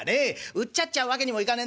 うっちゃっちゃうわけにもいかねえんだ。